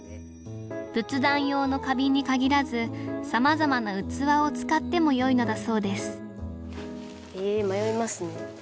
仏壇用の花瓶に限らずさまざまな器を使ってもよいのだそうですえ迷いますね。